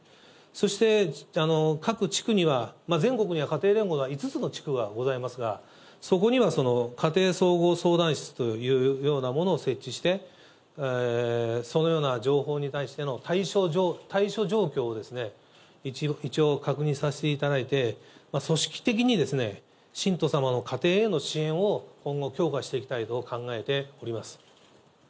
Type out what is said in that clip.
そして、各地区には、全国には家庭連合が５つの地区がございますが、そこには家庭総合相談室というようなものを設置して、そのような情報に対しての対処状況を一応確認させていただいて、組織的に信徒様の家庭への支援を今後強化していきたいと考えております。